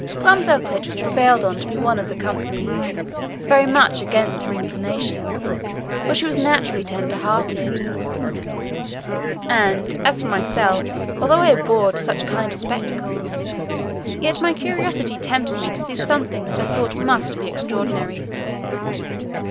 Glumdalclitch was prevailed on to be of the company, very much against her inclination, for she was naturally tender hearted: and, as for myself, although I abhorred such kind of spectacles, yet my curiosity tempted me to see something that I thought must be extraordinary.